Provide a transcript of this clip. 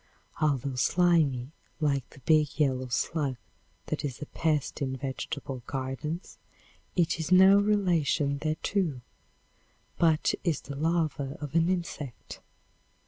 Although slimy, like the big yellow slug that is a pest in vegetable gardens, it is no relation thereto, but is the larva of an insect.